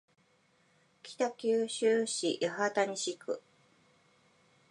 北九州市八幡西区